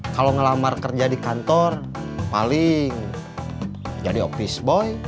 kalau ngelamar kerja di kantor paling jadi office boy